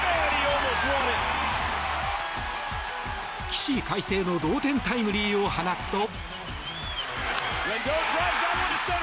起死回生の同点タイムリーを放つと。